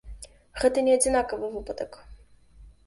Гэта не адзінкавы выпадак.